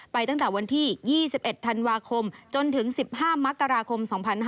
ตั้งแต่วันที่๒๑ธันวาคมจนถึง๑๕มกราคม๒๕๕๙